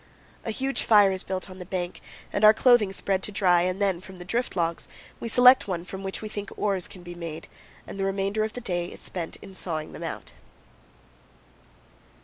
A huge fire is built on the bank and our clothing spread to dry, and then from the drift logs we select one from which we think oars can be made, and the remainder of the day is spent in sawing them out.